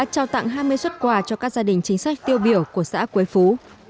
tương minh bệnh binh gia đình chính sách tiêu biểu của xã quế phú